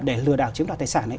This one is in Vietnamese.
để lừa đảo chiếm đoạt tài sản